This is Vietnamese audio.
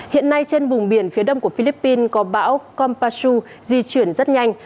hiện nay trên vùng biển phía đông của philippines có bão kompasu di chuyển rất nhanh